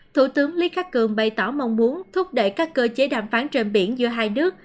thủ tướng lý khắc cường bày tỏ mong muốn thúc đẩy các cơ chế đàm phán trên biển giữa hai nước